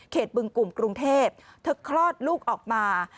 บึงกลุ่มกรุงเทพเธอคลอดลูกออกมา